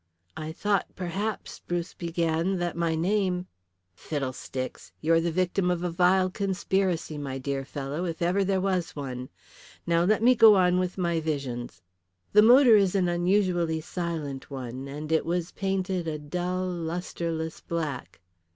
"I thought, perhaps," Bruce began, "that my name " "Fiddlesticks! You are the victim of a vile conspiracy, my dear fellow, if ever there was one. Now let me go on with my visions. The motor is an unusually silent one, and it was painted a dull, lustreless black."